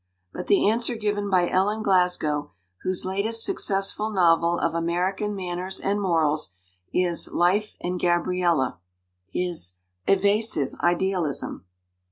But the answer given by Ellen Glasgow, whose latest successful novel of American manners and morals is Life and Gdbriella, is "evasive idealism."